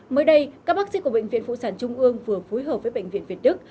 mới đây các bác sĩ của bệnh viện phụ sản trung ương vừa phối hợp với bệnh viện việt đức